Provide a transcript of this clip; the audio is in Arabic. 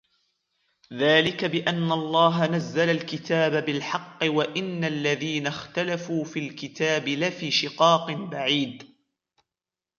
ذَلِكَ بِأَنَّ اللَّهَ نَزَّلَ الْكِتَابَ بِالْحَقِّ وَإِنَّ الَّذِينَ اخْتَلَفُوا فِي الْكِتَابِ لَفِي شِقَاقٍ بَعِيدٍ